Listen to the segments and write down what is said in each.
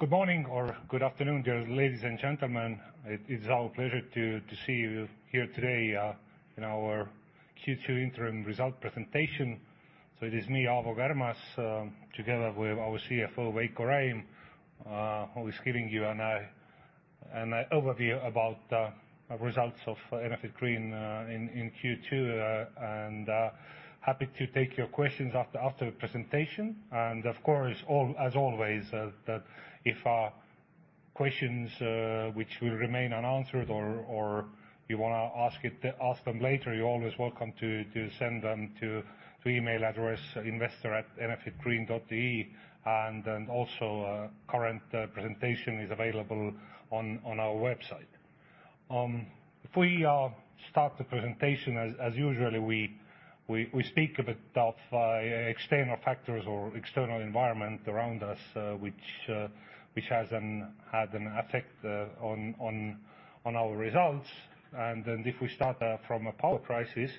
Good morning, or good afternoon, dear ladies and gentlemen. It's our pleasure to see you here today, in our Q2 interim result presentation. It is me, Aavo Kärmas, together with our CFO, Veiko Räim, who is giving you an overview about results of Enefit Green in Q2. Happy to take your questions after the presentation. Of course, all- as always, that if questions which will remain unanswered or you wanna ask it, ask them later, you're always welcome to send them to email address investor@enefitgreen.ee. Also, current presentation is available on our website. If we start the presentation, as as usually we, we, we speak a bit of external factors or external environment around us, which had an effect on our results. If we start from a power crisis,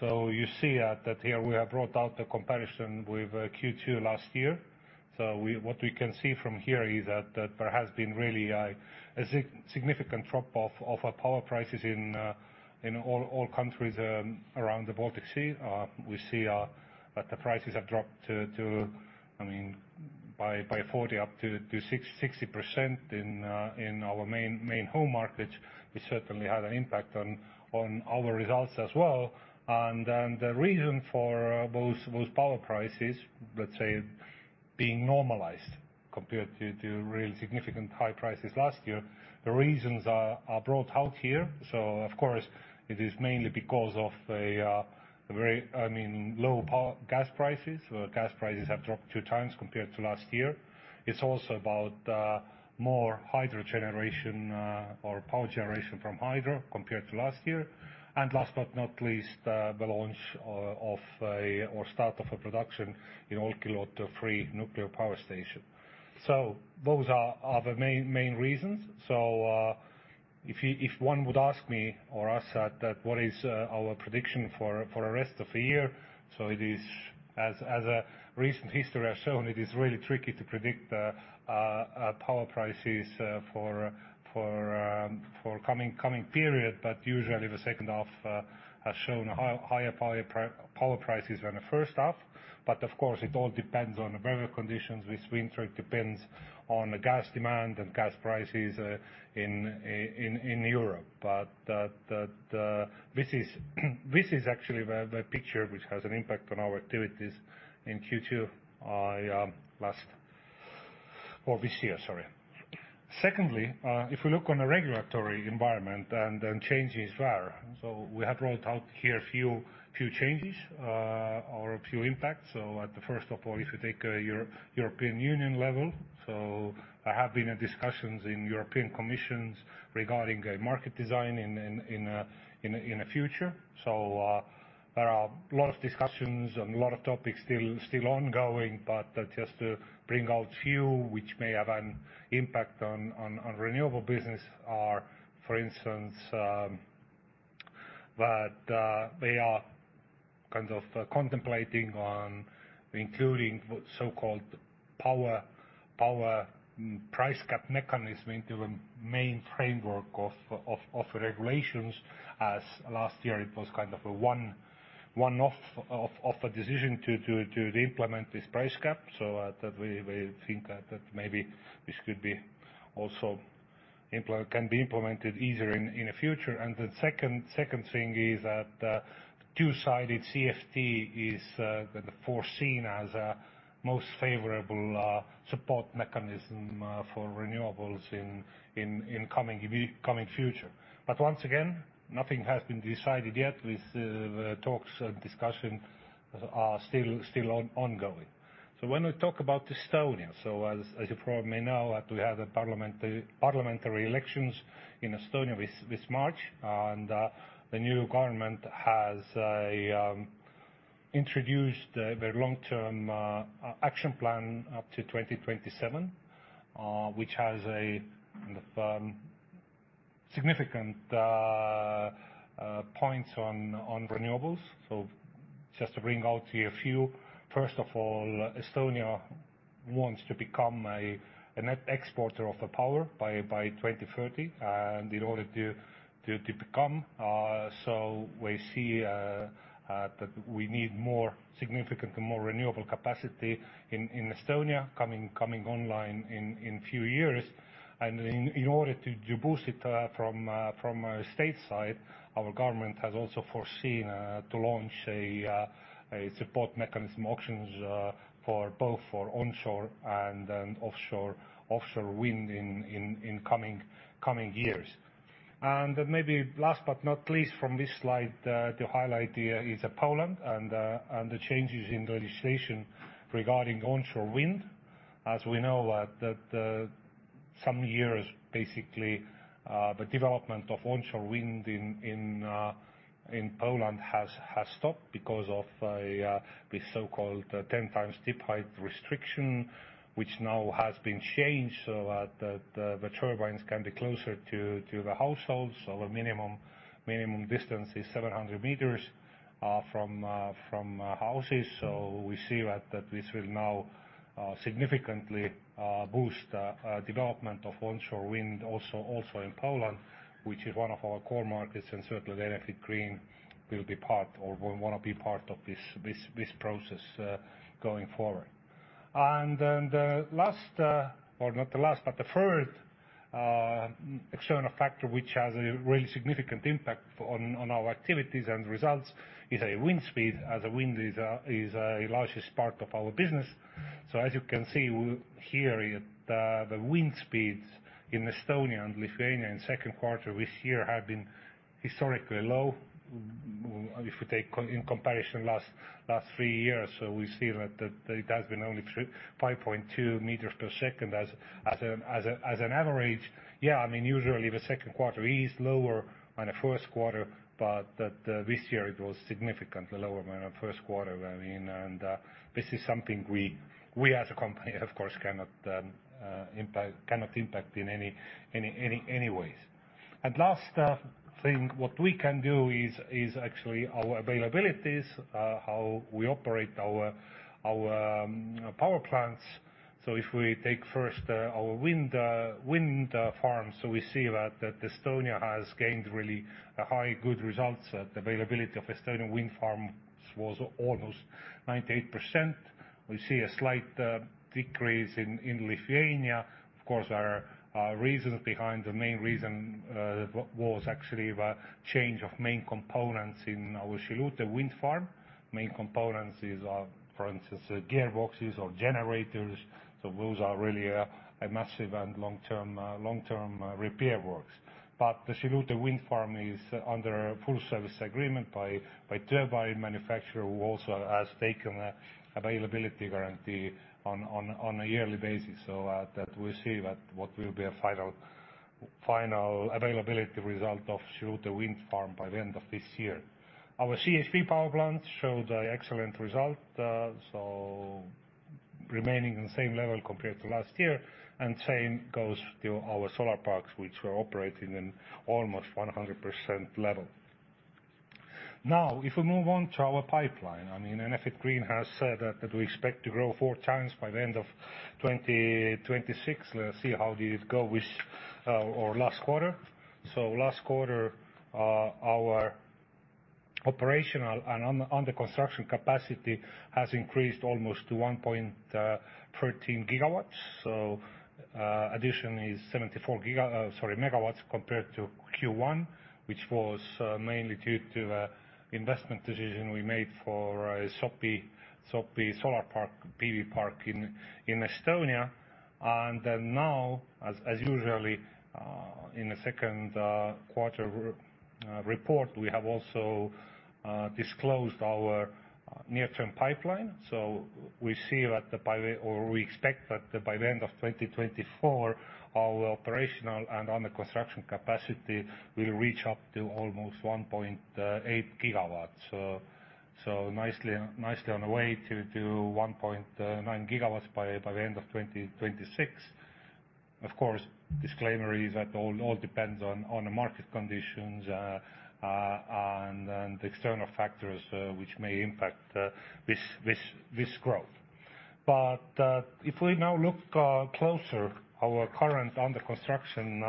you see that here we have brought out the comparison with Q2 last year. What we can see from here is that there has been really a significant drop off of power prices in all countries around the Baltic Sea. We see that the prices have dropped to, to, I mean, by, by 40%-60% in our main, main home markets, which certainly had an impact on our results as well. The reason for those, those power prices, let's say, being normalized compared to real significant high prices last year, the reasons are brought out here. Of course, it is mainly because of a very, I mean, low power gas prices. Gas prices have dropped two times compared to last year. Last but not least, the launch of a, of a, or start of a production in Olkiluoto 3 nuclear power plant. Those are the main, main reasons. If you, if one would ask me or ask that, that what is our prediction for the rest of the year, so it is. As, recent history has shown, it is really tricky to predict power prices for coming period. Usually the second half has shown higher power prices than the first half. Of course, it all depends on the weather conditions with winter, it depends on the gas demand and gas prices in Europe. The... This is actually the picture which has an impact on our activities in Q2 last or this year, sorry. Secondly, if we look on a regulatory environment, and then changes there. We have rolled out here a few changes or a few impacts. At the first of all, if you take European Union level, there have been discussions in European Commission regarding a market design in the future. There are a lot of discussions and a lot of topics still, still ongoing, but just to bring out a few, which may have an impact on renewable business are, for instance, that they are kind of contemplating on including what so-called power price cap mechanism into a main framework of regulations, as last year it was kind of a one-off of a decision to implement this price cap. That we think that maybe this could be also can be implemented easier in the future. The second, second thing is that 2-sided CfD is foreseen as a most favorable support mechanism for renewables in coming future. Once again, nothing has been decided yet with the talks and discussion are still ongoing. When we talk about Estonia, as you probably may know, that we had a parliament, parliamentary elections in Estonia this March. The new government has introduced the long-term action plan up to 2027, which has a significant points on renewables. Just to bring out here a few: first of all, Estonia wants to become an net exporter of the power by 2030. In order to, to, to become, so we see that we need more significant and more renewable capacity in, in Estonia, coming, coming online in, in few years. In, in order to boost it, from from a state side, our government has also foreseen to launch a support mechanism auctions for both for onshore and then offshore, offshore wind in, in, in coming, coming years. Maybe last but not least, from this slide, to highlight here is Poland and and the changes in the legislation regarding onshore wind. As we know, that some years, basically, the development of onshore wind in Poland has stopped because of a this so-called 10x tip height restriction, which now has been changed so that the turbines can be closer to the households, so the minimum distance is 700 m. We see that this will now significantly boost development of onshore wind, also in Poland, which is one of our core markets, and certainly Enefit Green will be part or will wanna be part of this process going forward. The last, or not the last, but the third external factor, which has a really significant impact on our activities and results, is a wind speed, as a wind is a largest part of our business. As you can see, here, the wind speeds in Estonia and Lithuania in second quarter, this year have been historically low. If we take in comparison, last three years, we see that it has been only 5.2 meters per second as an average. Yeah, I mean, usually the second quarter is lower than the first quarter, but that this year it was significantly lower than our first quarter. I mean, this is something we, we as a company, of course, cannot impact, cannot impact in any, any, any, any ways. Last thing, what we can do is, is actually our availabilities, how we operate our, our power plants. If we take first our wind farms, we see that, that Estonia has gained really a high, good results. The availability of Estonian wind farms was almost 98%. We see a slight decrease in, in Lithuania. Of course, our reasons behind... The main reason was actually the change of main components in our Šilutė wind farm. Main components is, for instance, gearboxes or generators, so those are really a, a massive and long-term, long-term repair works. The Šilutė wind farm is under full service agreement by turbine manufacturer, who also has taken an availability guarantee on a yearly basis. That we see what will be a final availability result of Šilutė wind farm by the end of this year. Our CHP power plant showed an excellent result, so remaining on the same level compared to last year, and same goes to our solar parks, which were operating in almost 100% level. Now, if we move on to our pipeline, I mean Enefit Green has said that we expect to grow four times by the end of 2026. Let's see, how did it go with our last quarter? Last quarter, our operational and under-construction capacity has increased almost to 1.13 GW. Addition is 74 G, sorry, MW, compared to Q1, which was mainly due to investment decision we made for Sopi, Sopi solar park, PV park in Estonia. Then now, as, as usually, in the second quarter report, we have also disclosed our near-term pipeline. We see that the by way... Or we expect that by the end of 2024, our operational and under-construction capacity will reach up to almost 1.8 GW. Nicely, nicely on the way to 1.9 gigawatts by the end of 2026. Of course, disclaimer is that all, all depends on, on the market conditions, and external factors, which may impact this, this, this growth. If we now look closer, our current under-construction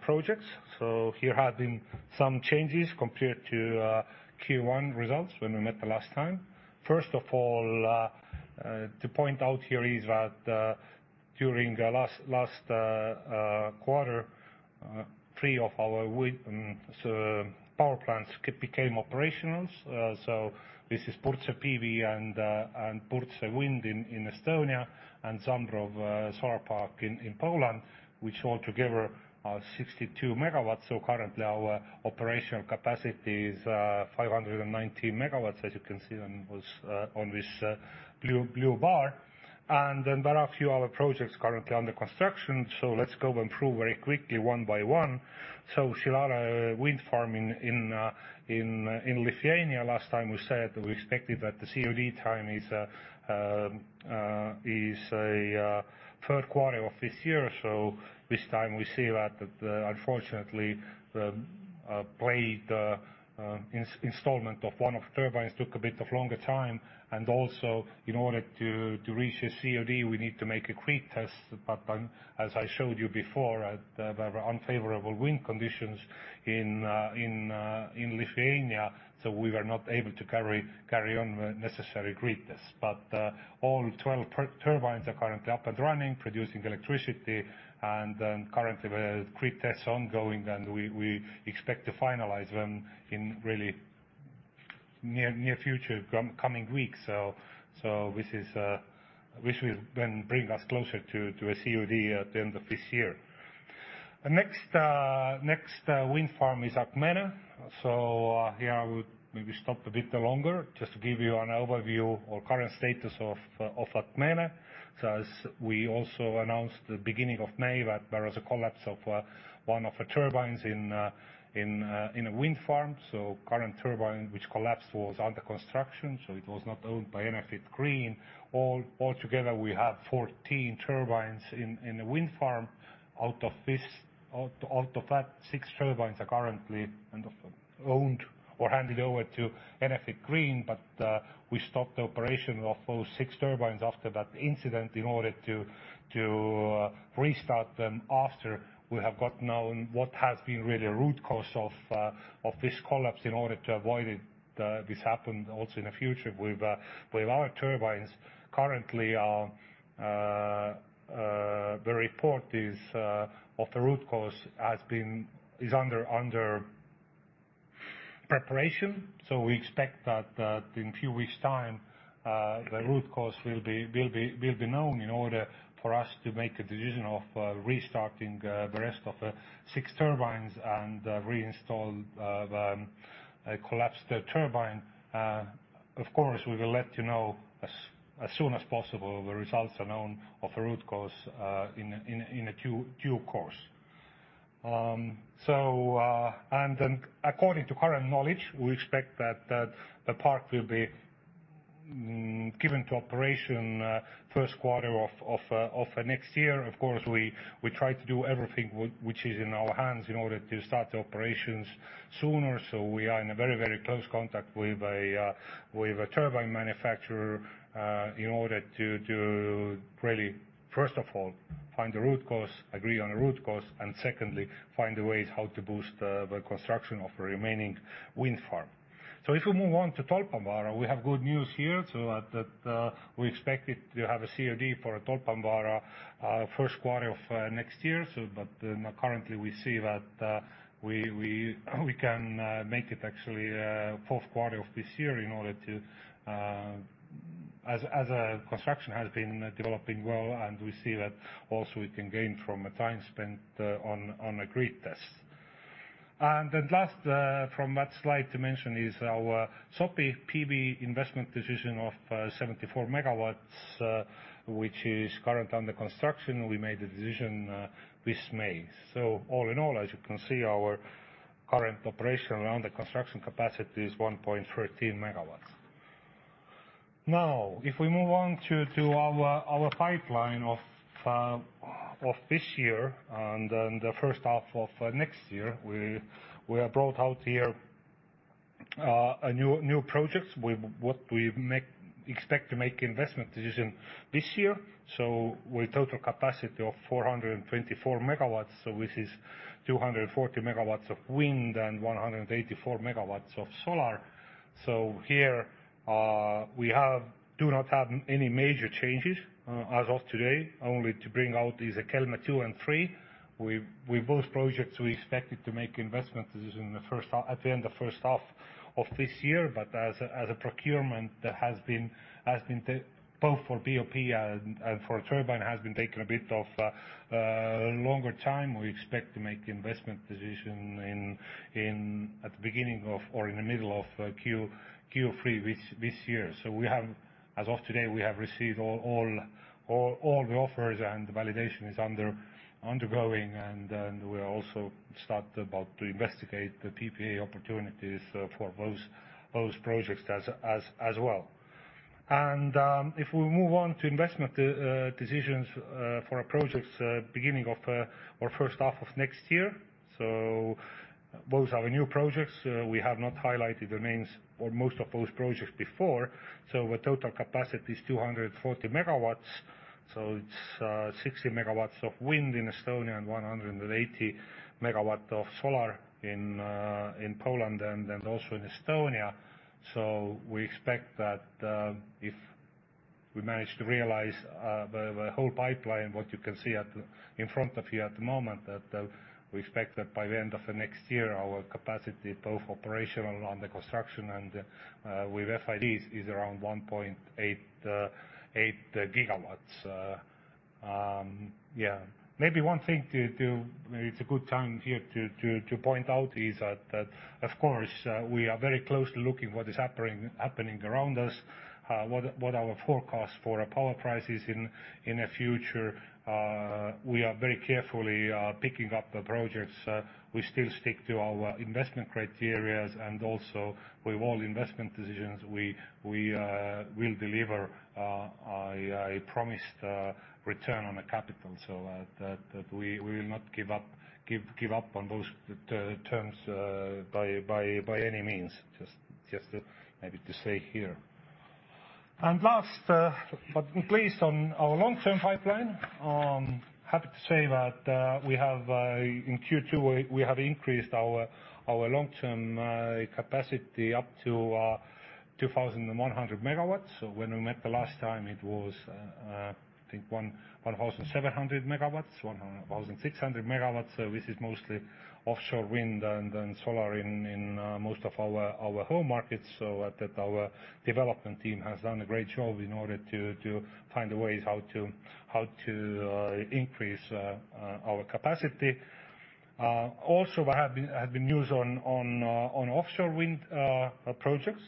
projects, so here have been some changes compared to Q1 results when we met the last time. First of all, to point out here is that during the last, last quarter, three of our wind, so, power plants became operational. So this is Purtse PV and Purtse Wind in Estonia, and Zambrów Solar Park in Poland, which altogether are 62 MW. Currently, our operational capacity is 519 MW, as you can see on this blue, blue bar. Then there are a few other projects currently under construction. Let's go and through very quickly, one by one. Šilalė Wind Farm in Lithuania, last time we said we expected that the COD time is the 3rd quarter of this year. This time we see that unfortunately, the blade installment of one of turbines took a bit of longer time. Also, in order to reach a COD, we need to make a grid test. As I showed you before, there were unfavorable wind conditions in Lithuania, so we were not able to carry on with necessary grid test. All 12 turbines are currently up and running, producing electricity. Currently, the grid test is ongoing, and we expect to finalize them in really near future, coming weeks. This is, which will then bring us closer to a COD at the end of this year. The next wind farm is Akmenė. Here I would maybe stop a bit longer just to give you an overview or current status of Akmenė. As we also announced the beginning of May, that there was a collapse of one of the turbines in a wind farm. Current turbine, which collapsed, was under construction, so it was not owned by Enefit Green. Altogether, we have 14 turbines in the wind farm. Out of this, out of that, six turbines are currently kind of owned or handed over to Enefit Green. We stopped the operation of those six turbines after that incident in order to, to restart them after we have got known what has been really a root cause of this collapse, in order to avoid it-... this happened also in the future with our turbines. Currently, the report is of the root cause has been, is under preparation. We expect that in few weeks' time, the root cause will be, will be, will be known in order for us to make a decision of restarting the rest of the six turbines and reinstall the collapsed turbine. Of course, we will let you know as soon as possible, the results are known of a root cause in a due course. According to current knowledge, we expect that the park will be given to operation, first quarter of next year. Of course, we try to do everything which is in our hands in order to start the operations sooner. We are in a very, very close contact with a turbine manufacturer, in order to really, first of all, find the root cause, agree on a root cause, and secondly, find the ways how to boost the construction of the remaining wind farm. If we move on to Tolpanvaara, we have good news here, so that we expected to have a COD for Tolpanvaara, first quarter of next year. Currently, we see that we can make it actually fourth quarter of this year in order to as a construction has been developing well, and we see that also we can gain from the time spent on a grid test. Last from that slide to mention is our Sopi PV investment decision of 74 MW, which is current under construction. We made a decision this May. All in all, as you can see, our current operation around the construction capacity is 1.13 MW. If we move on to our pipeline of this year and then the first half of next year, we have brought out here new projects with what we expect to make investment decision this year. With total capacity of 424 MW, so this is 240 MW of wind and 184 MW of solar. Here, we have, do not have any major changes as of today, only to bring out is a Kelmė II and III. We, with both projects, we expected to make investment decision in the first half, at the end of first half of this year, as a, as a procurement, that has been, has been both for BOP and, and for turbine, has been taking a bit of longer time. We expect to make investment decision at the beginning of or in the middle of Q3 this year. We have, as of today, we have received all the offers, and the validation is undergoing, and then we'll also start about to investigate the PPA opportunities for those projects as well. If we move on to investment decisions for our projects, beginning of or first half of next year, both are new projects. We have not highlighted the names for most of those projects before, our total capacity is 240 MW. It's 60 MW of wind in Estonia and 180 MW of solar in Poland and also in Estonia. We expect that if we manage to realize the whole pipeline, what you can see at the. In front of you at the moment, that we expect that by the end of the next year, our capacity, both operational and under construction and with FIDs, is around 1.88 GW. Yeah, maybe one thing to, it's a good time here to point out is that, of course, we are very closely looking what is happening around us, what our forecast for our power prices in the future. We are very carefully picking up the projects. We still stick to our investment criterias, and also with all investment decisions, we will deliver a promised return on the capital. That, that we, we will not give up, give up on those terms, by, by, by any means, just, just maybe to say here. Last, but please, on our long-term pipeline, happy to say that, we have, in Q2, we, we have increased our, our long-term, capacity up to 2,100 MW. When we met the last time, it was, I think 1,007 MW, 1,006 MW. This is mostly offshore wind and then solar in, in, most of our, our home markets, so that, our development team has done a great job in order to, to find the ways how to, how to, increase, our capacity. Also, there have been, has been news on, on, on offshore wind, projects.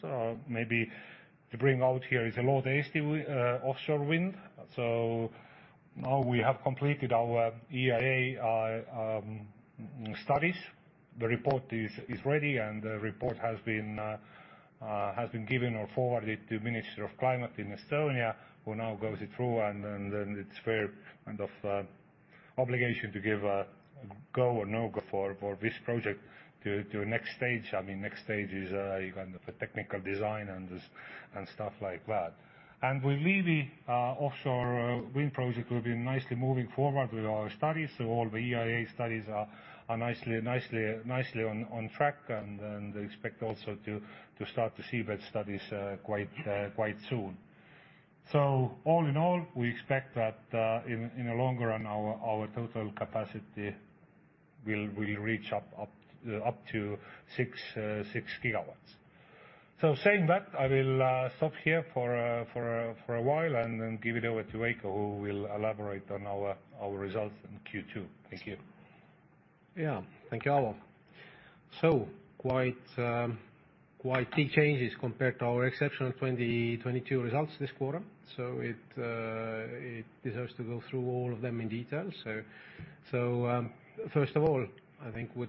Maybe to bring out here is a Loode offshore wind. Now we have completed our EIA studies. The report is, is ready, and the report has been has been given or forwarded to Minister of Climate in Estonia, who now goes it through, and then, then it's fair, kind of, obligation to give a go or no-go for, for this project to, to next stage. I mean, next stage is kind of a technical design and this, and stuff like that. With Liivi offshore wind project, we've been nicely moving forward with our studies. All the EIA studies are, are nicely, nicely, nicely on, on track, and expect also to, to start the seabed studies quite quite soon. All in all, we expect that, in, in the longer run, our total capacity will reach up to 6 GW. Saying that, I will stop here for a while and then give it over to Veiko, who will elaborate on our results in Q2. Thank you. Yeah. Thank you, Aavo. Quite, quite key changes compared to our exceptional 2022 results this quarter, so it deserves to go through all of them in detail. First of all, I think we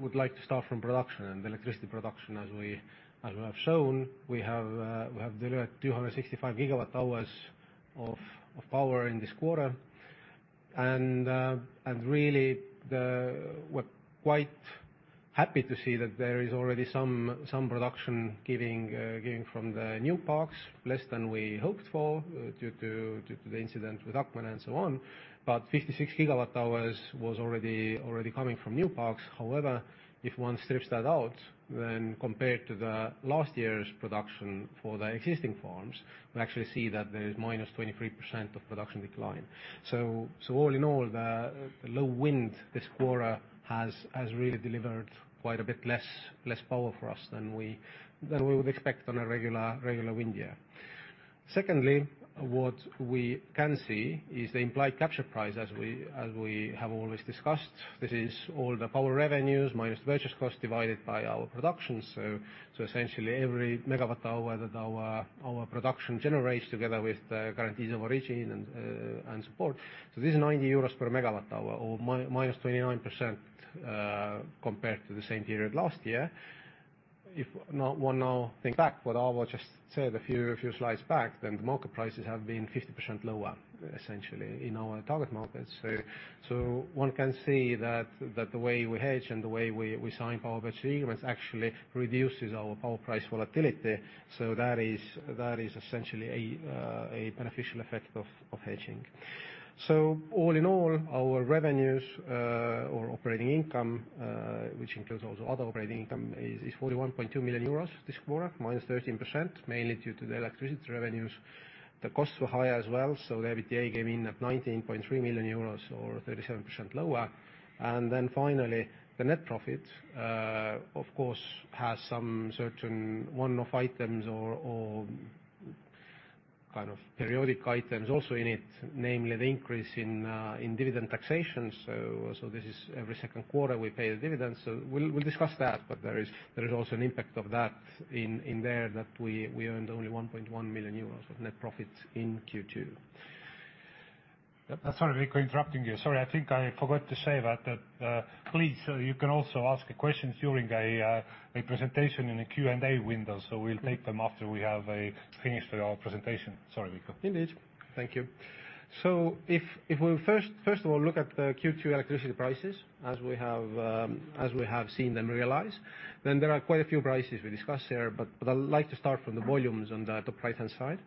would like to start from production, electricity production, as we, as we have shown, we have delivered 265 GWh of power in this quarter. Really, we're quite happy to see that there is already some, some production giving, giving from the new parks, less than we hoped for, due to, due to the incident with Akmenė and so on. 56 GWh was already, already coming from new parks. If one strips that out, then compared to the last year's production for the existing farms, we actually see that there is -23% of production decline. All in all, the low wind this quarter has really delivered quite a bit less, less power for us than we would expect on a regular, regular wind year. Secondly, what we can see is the implied capture price, as we have always discussed. This is all the power revenues minus purchase cost, divided by our production. Essentially, every megawatt hour that our production generates together with the guarantees of origin and support. This is 90 euros per MWh, or -29% compared to the same period last year. One now think back, what Aavo just said, a few, a few slides back, then the market prices have been 50% lower, essentially, in our target markets. One can see that, that the way we hedge and the way we, we sign power purchase agreements actually reduces our power price volatility. That is essentially a beneficial effect of hedging. All in all, our revenues, or operating income, which includes also other operating income, is 41.2 million euros this quarter, minus 13%, mainly due to the electricity revenues. The costs were higher as well, the EBITDA came in at 19.3 million euros, or 37% lower. Finally, the net profit, of course, has some certain one-off items or, or kind of periodic items also in it, namely the increase in dividend taxation. This is every second quarter, we pay a dividend, we'll discuss that, but there is, there is also an impact of that in, in there, that we, we earned only 1.1 million euros of net profits in Q2. Sorry, Veiko, interrupting you. Sorry, I think I forgot to say that, that, please, you can also ask a question during a presentation in a Q&A window. We'll take them after we have finished our presentation. Sorry, Veiko. Indeed. Thank you. If we first of all, look at the Q2 electricity prices, as we have seen them realize, then there are quite a few prices we discuss here, but I'd like to start from the volumes on the top right-hand side.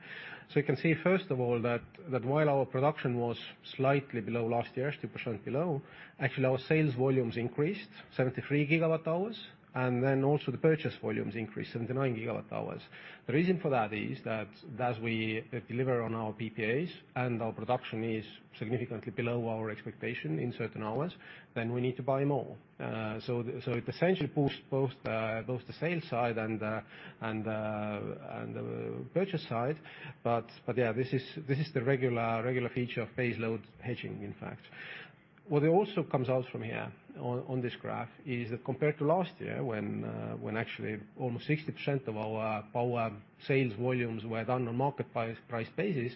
You can see, first of all, that while our production was slightly below last year, 2% below, actually, our sales volumes increased 73 GWh, and then also the purchase volumes increased 79 GWh. The reason for that is that as we deliver on our PPAs and our production is significantly below our expectation in certain hours, then we need to buy more. So, so it essentially boosts both the sales side and the purchase side. But yeah, this is, this is the regular, regular feature of baseload hedging, in fact. What also comes out from here on, on this graph is that compared to last year, when actually almost 60% of our power sales volumes were done on market price, price basis,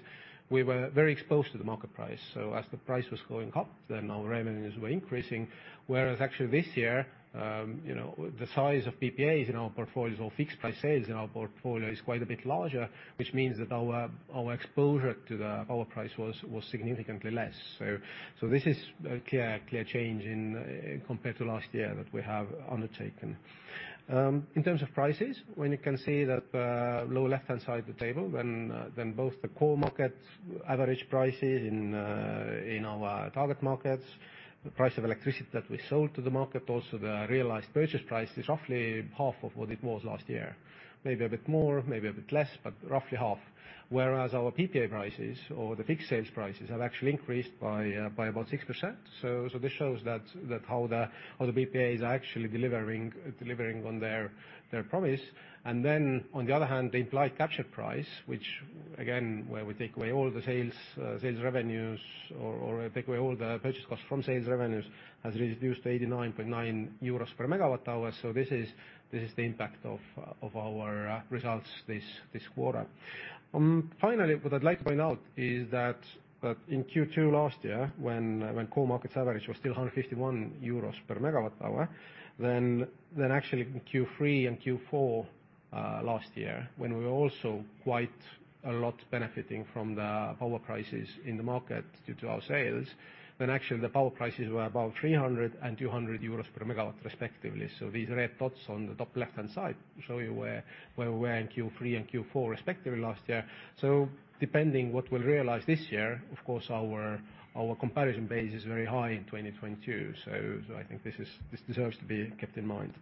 we were very exposed to the market price. As the price was going up, then our revenues were increasing. Whereas actually this year, you know, the size of PPAs in our portfolios or fixed price sales in our portfolio is quite a bit larger, which means that our, our exposure to the power price was, was significantly less. This is a clear, clear change compared to last year, that we have undertaken. In terms of prices, when you can see that, lower left-hand side of the table, when, when both the core market average prices in, in our target markets, the price of electricity that we sold to the market, also the realized purchase price, is roughly half of what it was last year. Maybe a bit more, maybe a bit less, but roughly half. Whereas our PPA prices, or the fixed sales prices, have actually increased by about 6%. This shows how the PPAs are actually delivering, delivering on their, their promise. On the other hand, the implied capture price, which again, where we take away all the sales, sales revenues, or, or take away all the purchase costs from sales revenues, has reduced to 89.9 euros per MWh. This is, this is the impact of our results this quarter. Finally, what I'd like to point out is that, that in Q2 last year, when core markets average was still 151 euros per MWh, then, then actually in Q3 and Q4 last year, when we were also quite a lot benefiting from the power prices in the market due to our sales, then actually the power prices were about 300 and 200 euros per MW, respectively. These red dots on the top left-hand side show you where, where we were in Q3 and Q4, respectively, last year. Depending what we'll realize this year, of course, our, our comparison base is very high in 2022. I think this deserves to be kept in mind.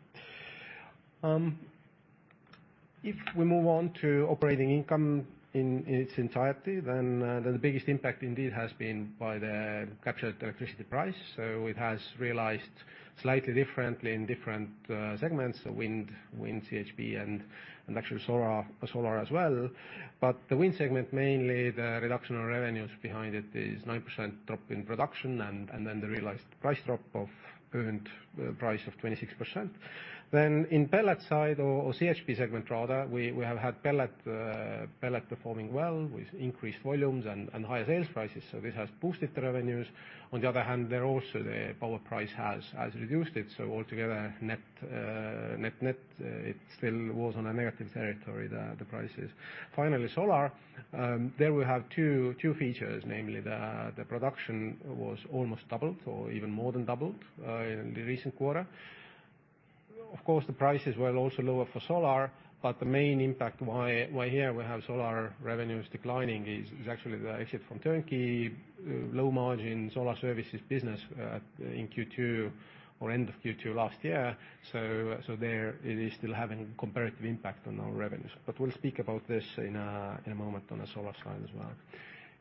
If we move on to operating income in its entirety, the biggest impact indeed has been by the captured electricity price. It has realized slightly differently in different segments, the wind, wind CHP, and actually solar, solar as well. The Wind segment, mainly the reduction in revenues behind it, is 9% drop in production, and then the realized price drop of earned price of 26%. In pellet side, CHP segment rather, we have had pellet performing well with increased volumes and higher sales prices, so this has boosted the revenues. On the other hand, there also the power price has reduced it, so altogether, net, net, it still was on a negative territory, the prices. Finally, Solar, there we have two, two features, namely the production was almost doubled or even more than doubled in the recent quarter. Of course, the prices were also lower for Solar, the main impact, why here we have Solar revenues declining is actually the exit from Turkey, low margin Solar Services business in Q2 or end of Q2 last year. There it is still having comparative impact on our revenues. We'll speak about this in a moment on the solar side as well.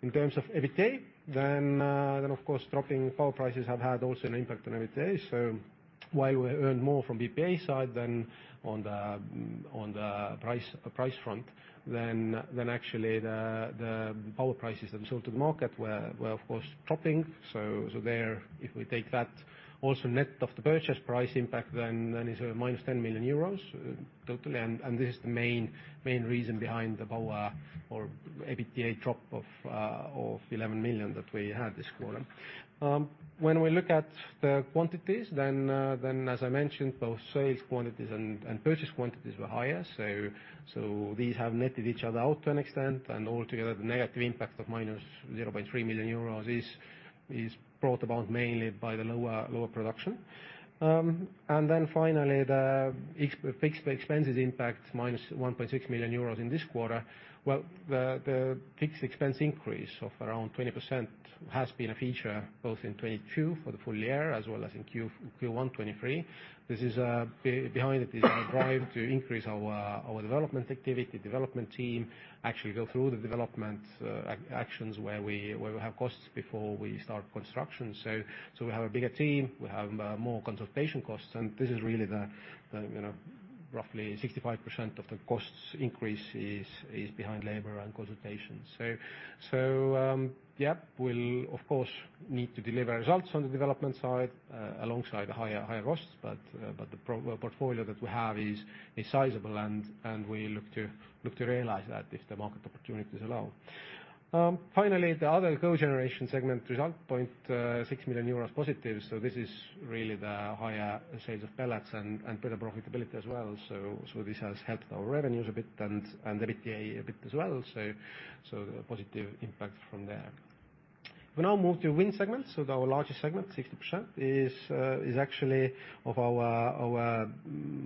In terms of EBITDA, of course, dropping power prices have had also an impact on EBITDA. While we earn more from BPA side than on the price front, actually the power prices and sold to the market were, of course, dropping. There, if we take that, also net of the purchase price impact, then, then it's minus 10 million euros totally, and this is the main reason behind the power or EBITDA drop of 11 million that we had this quarter. When we look at the quantities, then, as I mentioned, both sales quantities and purchase quantities were higher. These have netted each other out to an extent, and altogether, the negative impact of minus 0.3 million euros is brought about mainly by the lower production. Finally, the ex- fixed expenses impact, minus 1.6 million euros in this quarter. The fixed expense increase of around 20% has been a feature both in 2022 for the full year as well as in Q1 2023. This is, behind it is our drive to increase our, our development activity, development team, actually go through the development, actions where we, where we have costs before we start construction. We have a bigger team, we have, more consultation costs, and this is really the, you know, roughly 65% of the costs increase is, is behind labor and consultation. So, yeah, we'll of course, need to deliver results on the development side, alongside the higher, higher costs, but, but the well, portfolio that we have is, is sizable, and, and we look to, look to realize that if the market opportunities allow. Finally, the other Cogeneration segment result, 0.6 million euros positive, so this is really the higher sales of pellets and, and better profitability as well. This has helped our revenues a bit and EBITDA a bit as well. A positive impact from there. We now move to Wind segment, our largest segment, 60%, is actually of our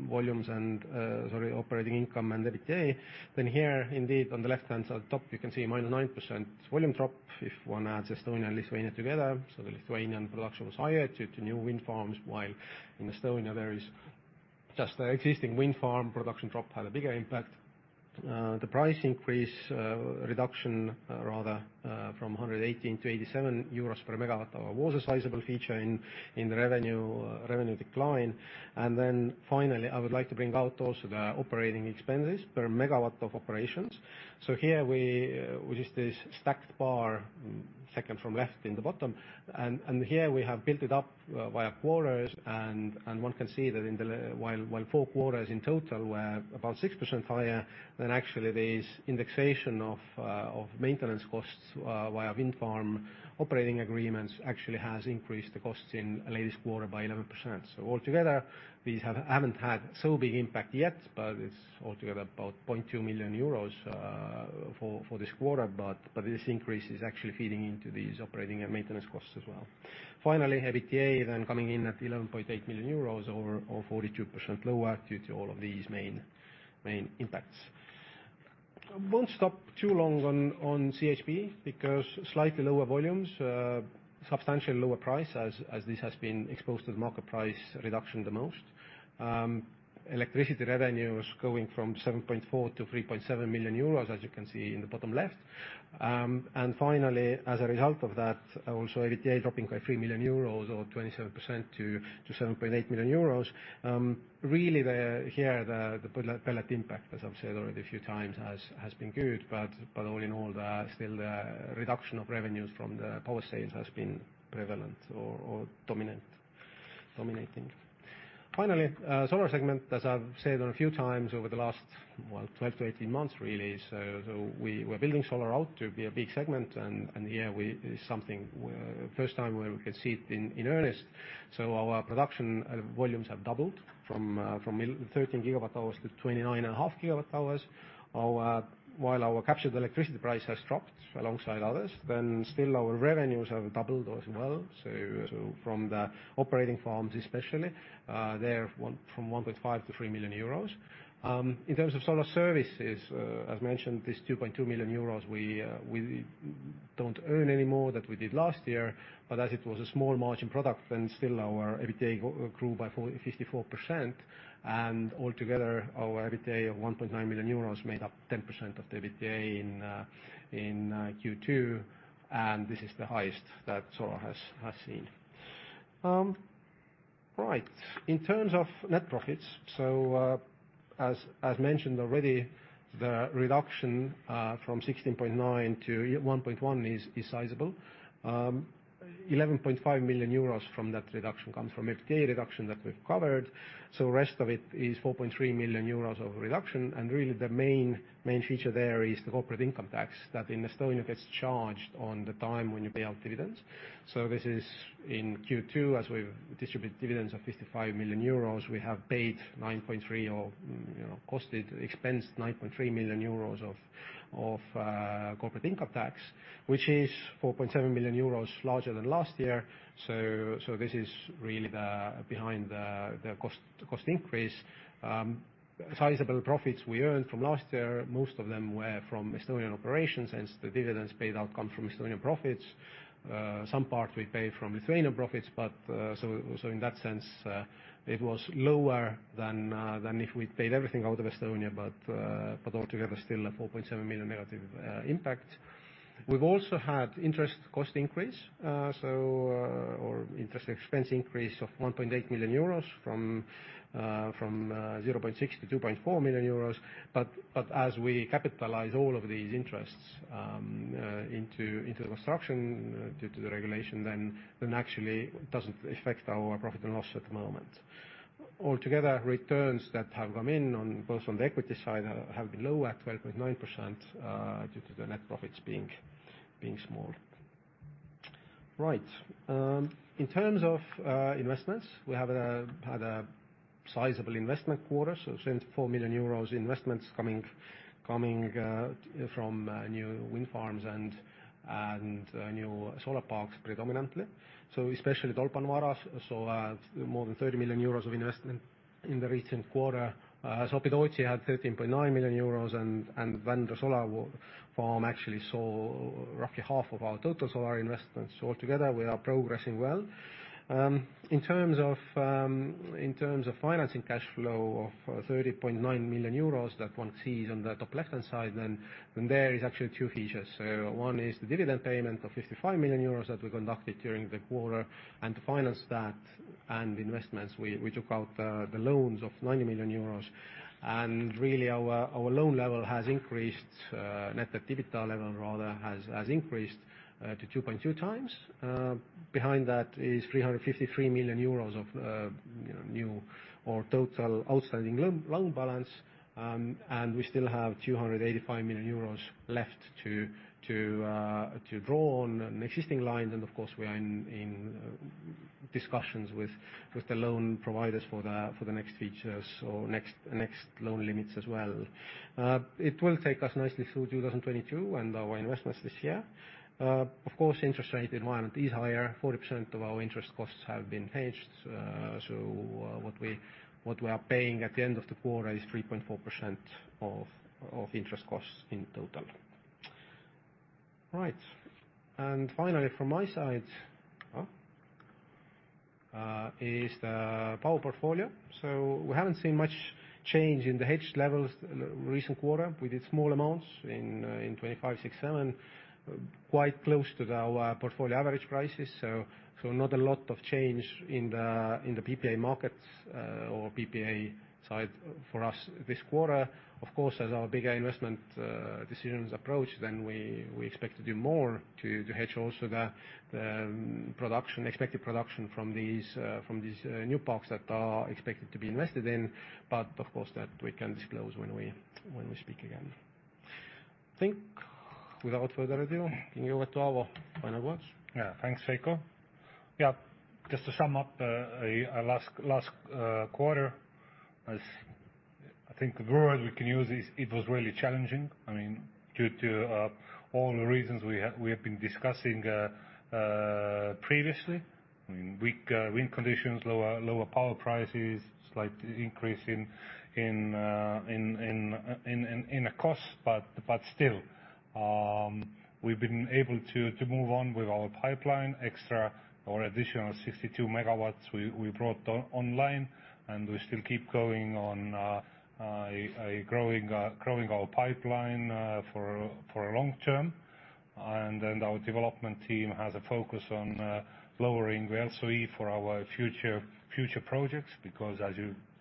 volumes and, sorry, operating income and EBITDA. Here, indeed, on the left-hand side, top, you can see a -9% volume drop if one adds Estonia and Lithuania together. The Lithuanian production was higher due to new wind farms, while in Estonia, there is just the existing wind farm production drop had a bigger impact. The price increase, reduction, rather, from 118 to 87 euros per megawatt hour, was a sizable feature in the revenue decline. Finally, I would like to bring out also the OpEx per megawatt of operations. Here we, which is this stacked bar, second from left in the bottom, and here we have built it up via quarters, and one can see that while four quarters in total were about 6% higher, then actually this indexation of maintenance costs via wind farm operating agreements, actually has increased the costs in the latest quarter by 11%. Altogether, these haven't had so big impact yet, but it's altogether about 0.2 million euros for this quarter, but this increase is actually feeding into these operating and maintenance costs as well. Finally, EBITDA then coming in at 11.8 million euros or 42% lower due to all of these main impacts. I won't stop too long on, on CHP, because slightly lower volumes, substantially lower price, as, as this has been exposed to the market price reduction the most. Electricity revenues going from 7.4 to 3.7 million euros, as you can see in the bottom left. Finally, as a result of that, also EBITDA dropping by 3 million euros or 27% to 7.8 million euros. Really, the, here, the, the pellet impact, as I've said already a few times, has, has been good, but, but all in all, the, still, the reduction of revenues from the power sales has been prevalent or, or dominant, dominating. Finally, Solar segment, as I've said a few times over the last, well, 12-18 months, really, so we're building solar out to be a big segment, and here we, is something where. First time where we can see it in earnest. Our production volumes have doubled from 13 GWh to 29.5 GWh. While our captured electricity price has dropped alongside others, then still our revenues have doubled as well. From the operating farms, especially, from 1.5 million-3 million euros. In terms of solar services, as mentioned, this 2.2 million euros, we don't earn any more than we did last year, but as it was a small margin product, then still our EBITDA grew by 54%. Altogether, our EBITDA of 1.9 million euros made up 10% of the EBITDA in Q2, this is the highest that Solar has seen. In terms of net profits, as mentioned already, the reduction from 16.9 million to 1.1 million is sizable. 11.5 million euros from that reduction comes from EBITDA reduction that we've covered. The rest of it is 4.3 million euros of reduction, really, the main feature there is the corporate income tax that in Estonia gets charged on the time when you pay out dividends. This is in Q2, as we've distributed dividends of 55 million euros, we have paid 9.3 or, you know, costed, expensed 9.3 million euros of corporate income tax, which is 4.7 million euros larger than last year. This is really the, behind the, the cost, cost increase. Sizable profits we earned from last year, most of them were from Estonian operations, hence the dividends paid out come from Estonian profits. Some part we paid from Lithuanian profits, in that sense, it was lower than if we paid everything out of Estonia, altogether still a 4.7 million negative impact. We've also had interest cost increase, or interest expense increase of 1.8 million euros from 0.6 million-2.4 million euros. As we capitalize all of these interests into the construction, due to the regulation, then actually it doesn't affect our profit and loss at the moment. Altogether, returns that have come in on, both on the equity side, have been low at 12.9%, due to the net profits being small. Right. In terms of investments, we have had a sizable investment quarter, 24 million euros investments coming from new wind farms and new solar parks, predominantly. Especially Tolpanvaara, saw more than 30 million euros of investment in the recent quarter. Sopi-Tootsi had 13.9 million euros, and Vantaa Solar farm actually saw roughly half of our total solar investments. Altogether, we are progressing well. In terms of financing cash flow of 30.9 million euros that one sees on the top left-hand side, then there is actually two features. One is the dividend payment of 55 million euros that we conducted during the quarter. To finance that and investments, we took out the loans of 90 million euros, and really, our loan level has increased, net activity level rather, has increased to 2.2 times. Behind that is 353 million euros of, you know, new or total outstanding loan, loan balance. We still have 285 million euros left to draw on an existing line. Of course, we are in discussions with the loan providers for the next features or next, next loan limits as well. It will take us nicely through 2022 and our investments this year. Of course, interest rate environment is higher. 40% of our interest costs have been hedged. What we are paying at the end of the quarter is 3.4% of interest costs in total. Right. Finally, from my side, is the power portfolio. We haven't seen much change in the hedged levels in recent quarter. We did small amounts in 25, six, seven, quite close to our portfolio average prices, so not a lot of change in the PPA markets or PPA side for us this quarter. Of course, as our bigger investment decisions approach, then we expect to do more to hedge also the production, expected production from these from these new parks that are expected to be invested in. Of course, that we can disclose when we speak again. I think without further ado, I can give over to Aavo for final words. Thanks, Veiko. Just to sum up, last, last quarter, as I think the word we can use is it was really challenging. I mean, due to all the reasons we have been discussing previously. I mean, weak wind conditions, lower, lower power prices, slight increase in cost. Still, we've been able to move on with our pipeline, extra or additional 62 MW we brought on, online, and we still keep going on a growing growing our pipeline for for long term. Our development team has a focus on lowering LCOE for our future, future projects, because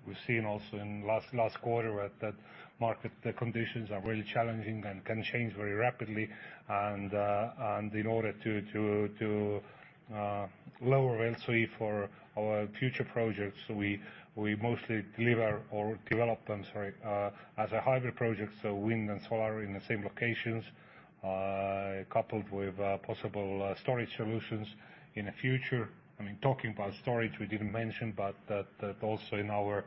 We've seen also in last, last quarter, that that market, the conditions are really challenging and can change very rapidly. In order to lower LCOE for our future projects, we mostly deliver or develop them, sorry, as a hybrid project, so wind and solar in the same locations, coupled with possible storage solutions in the future. I mean, talking about storage, we didn't mention, but that also in our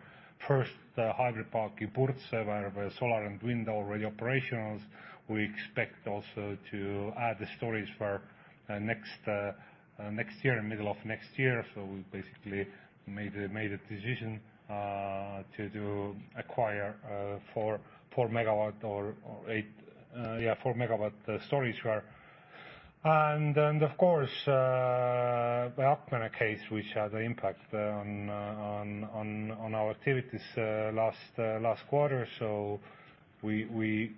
first hybrid park in Purtse, where solar and wind already operational, we expect also to add the storage for next year, in middle of next year. We basically made a decision to acquire 4 MW or 8, yeah, 4 MW storage for-... Of course, the Akmenė case, which had an impact on our activities last quarter. We, we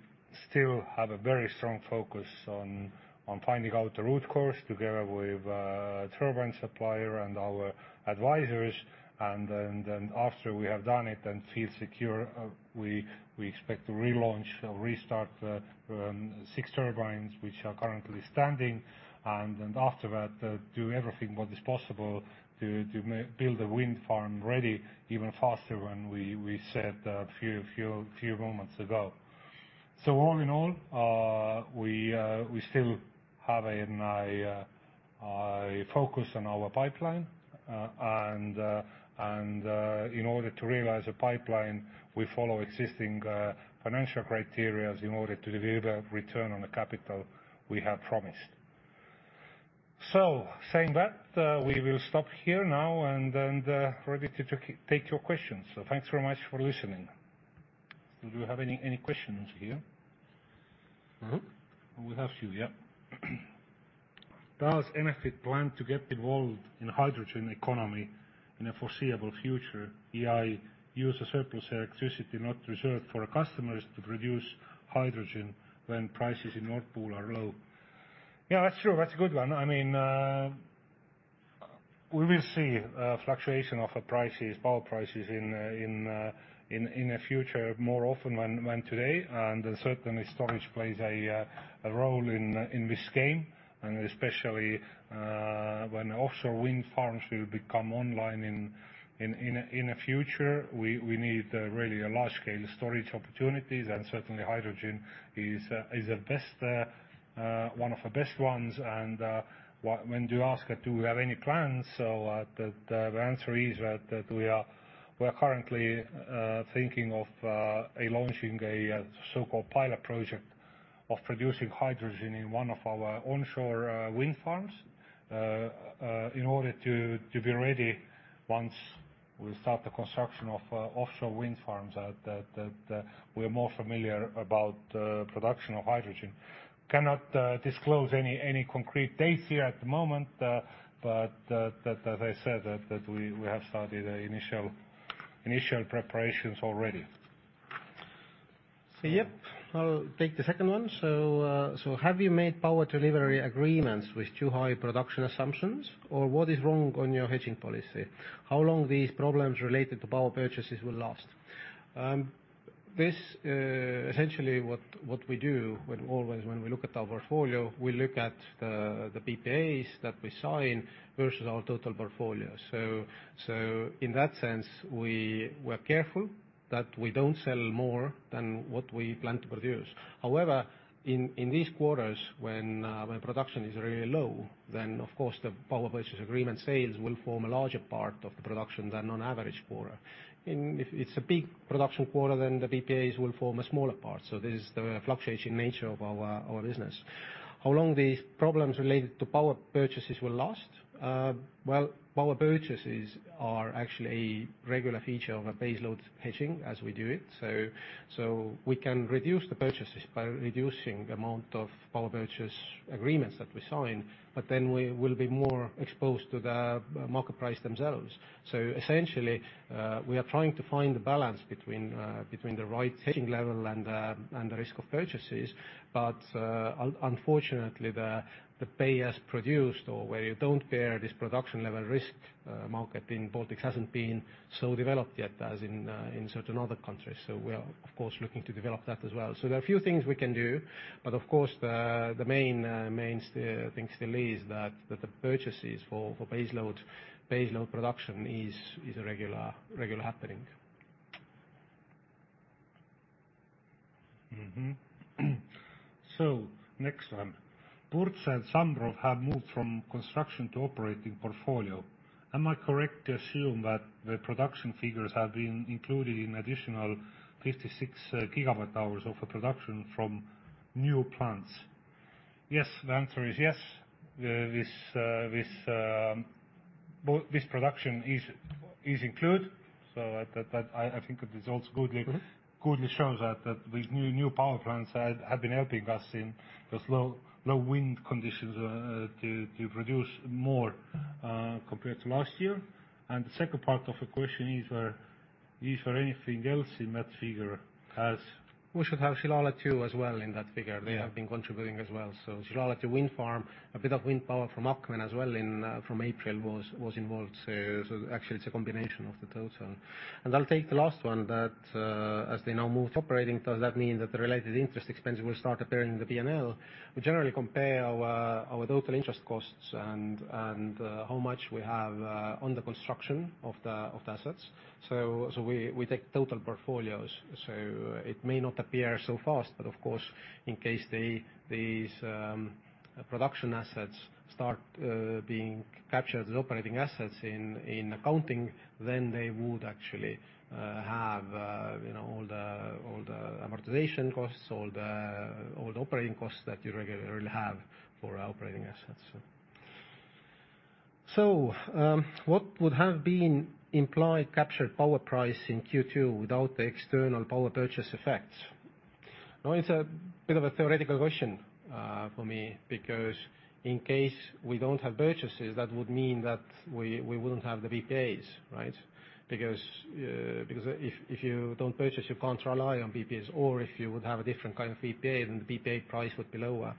still have a very strong focus on, on finding out the root cause together with turbine supplier and our advisors. Then, then after we have done it and feel secure, we, we expect to relaunch or restart six turbines, which are currently standing. After that, do everything what is possible to build a wind farm ready even faster than we, we said, few, few, few moments ago. All in all, we, we still have in a focus on our pipeline. In order to realize the pipeline, we follow existing financial criteria in order to deliver the return on the capital we have promised. Saying that, we will stop here now and then ready to, to take your questions. Thanks very much for listening. Do you have any, any questions here? Mm-hmm. Does Enefit plan to get involved in hydrogen economy in the foreseeable future, i.e., use the surplus electricity not reserved for our customers to produce hydrogen when prices in Nord Pool are low? Yeah, that's true. That's a good one. I mean, we will see fluctuation of the prices, power prices in the future more often than today. Certainly, storage plays a role in this game. Especially, when offshore wind farms will become online in the future, we need really a large-scale storage opportunities, and certainly hydrogen is the best one of the best ones. When you ask, do we have any plans, the answer is that we are- We're currently thinking of launching a so-called pilot project of producing hydrogen in one of our onshore wind farms. In order to be ready once we start the construction of offshore wind farms, that, that, that we're more familiar about production of hydrogen. Cannot disclose any concrete dates here at the moment, but, but, as I said, that, that we, we have started an initial, initial preparations already. Yep, I'll take the second one. Have you made power delivery agreements with too high production assumptions, or what is wrong on your hedging policy? How long these problems related to power purchases will last? This, essentially, what we do, when always when we look at our portfolio, we look at the PPAs that we sign versus our total portfolio. In that sense, we're careful that we don't sell more than what we plan to produce. However, in these quarters, when production is really low, then of course, the power purchase agreement sales will form a larger part of the production than on average quarter. If it's a big production quarter, then the PPAs will form a smaller part. This is the fluctuating nature of our business. How long these problems related to power purchases will last? Well, power purchases are actually a regular feature of a baseload hedging as we do it. We can reduce the purchases by reducing the amount of power purchase agreements that we sign, but then we will be more exposed to the market price themselves. Essentially, we are trying to find a balance between the right setting level and the risk of purchases. Unfortunately, the pay as produced or where you don't bear this production level risk, market in Baltics hasn't been so developed yet as in certain other countries. We are, of course, looking to develop that as well. There are a few things we can do, but of course, the main thing still is that the purchases for baseload production is a regular happening. Mm-hmm. Next one: Purtse and Zambrów have moved from construction to operating portfolio. Am I correct to assume that the production figures have been included in additional 56 GWh of the production from new plants? Yes. The answer is yes. This production is included, so that I think it is also. Mm-hmm Goodly shows that, that these new, new power plants have, have been helping us in this low, low wind conditions, to, to produce more, compared to last year. The second part of the question is, is there anything else in that figure? We should have Šilalė, too, as well in that figure. Yeah. They have been contributing as well. Šilalė wind farm, a bit of wind power from Akmenė as well in, from April, was involved. Actually it's a combination of the total. I'll take the last one that, as they now move to operating, does that mean that the related interest expense will start appearing in the P&L? We generally compare our total interest costs and, how much we have on the construction of the assets. We take total portfolios. It may not appear so fast, but of course, in case the, these production assets start being captured as operating assets in accounting, then they would actually have, you know, all the, all the amortization costs, all the, all the operating costs that you regularly really have for operating assets. What would have been implied captured power price in Q2 without the external power purchase effects? It's a bit of a theoretical question for me, because in case we don't have purchases, that would mean that we, we wouldn't have the PPAs, right? Because if, if you don't purchase, you can't rely on PPAs, or if you would have a different kind of PPA, then the PPA price would be lower.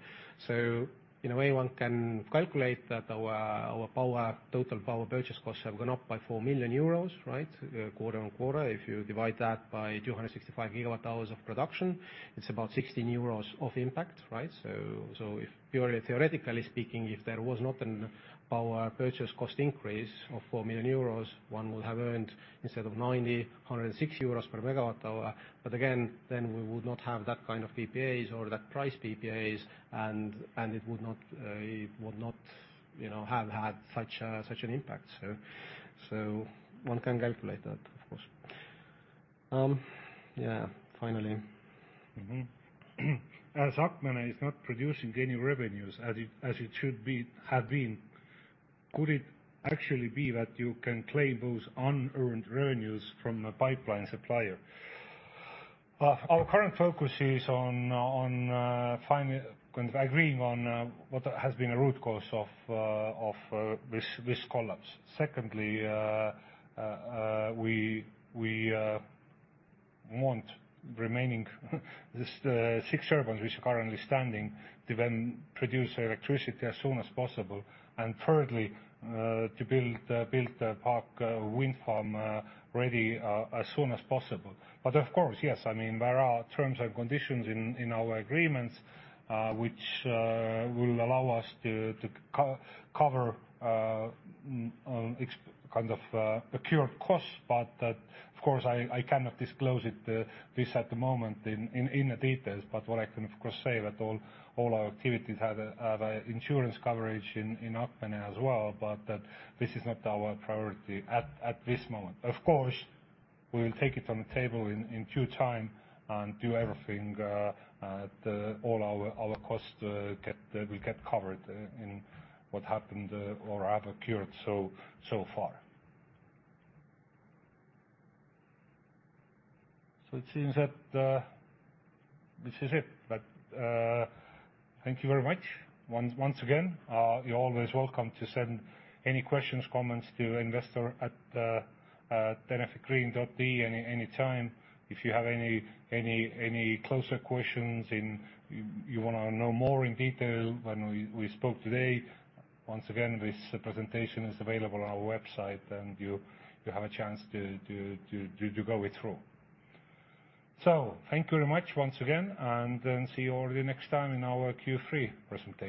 In a way, one can calculate that our, our power, total power purchase costs have gone up by 4 million euros, right, quarter-over-quarter. If you divide that by 265 GWh of production, it's about 16 euros of impact, right? If purely theoretically speaking, if there was not an power purchase cost increase of 4 million euros, one would have earned, instead of 90 euros, 106 euros per megawatt hour. Again, then we would not have that kind of PPAs or that price PPAs, and it would not, it would not, you know, have had such a, such an impact. One can calculate that, of course. Yeah, finally. Mm-hmm. As Akmenė is not producing any revenues as it should be have been, could it actually be that you can claim those unearned revenues from a pipeline supplier? Our current focus is on agreeing on what has been a root cause of this collapse. Secondly, we want remaining six turbines, which are currently standing, to then produce electricity as soon as possible. Thirdly, to build the park, wind farm, ready as soon as possible. Of course, yes, I mean, there are terms and conditions in our agreements, which will allow us to co-cover secure costs. Of course, I, I cannot disclose it this at the moment in, in, in the details, but what I can, of course, say that all, all our activities have insurance coverage in Akmenė as well, this is not our priority at this moment. Of course, we will take it on the table in, in due time and do everything, all our, our costs get will get covered in what happened or have occurred so, so far. It seems that this is it. Thank you very much. Once, once again, you're always welcome to send any questions, comments to investor@enefitgreen.ee anytime. If you have any, any, any closer questions and you, you wanna know more in detail than we, we spoke today, once again, this presentation is available on our website, and you, you have a chance to, to, to, to, to go it through. Thank you very much once again, and then see you all the next time in our Q3 presentation.